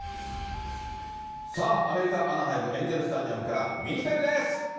さあ、アメリカ・アナハイムエンゼルスタジアムから、ミニタニです。